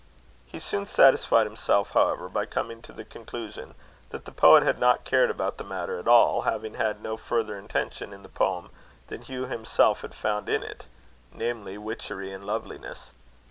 He soon satisfied himself, however, by coming to the conclusion that the poet had not cared about the matter at all, having had no further intention in the poem than Hugh himself had found in it, namely, witchery and loveliness.